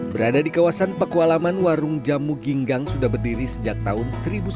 berada di kawasan pakualaman warung jamu ginggang sudah berdiri sejak tahun seribu sembilan ratus lima puluh